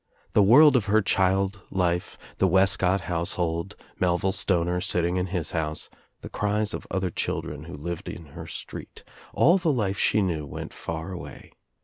The world of her child life, the Wescott house hold, Melville Stoner sitting in his house, the cries of other children who lived in her street, all the life she knew went far away.